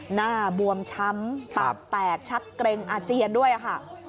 หน้าบวมช้ำปากแตกชักเกร็งอาเจียนด้วยค่ะ